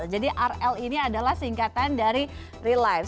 jadi rl ini adalah singkatan dari real life